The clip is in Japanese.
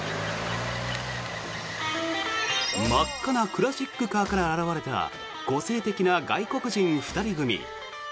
真っ赤なクラシックカーから現れた個性的な外国人２人組。